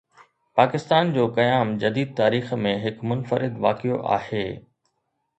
پاڪستان جو قيام جديد تاريخ ۾ هڪ منفرد واقعو آهي.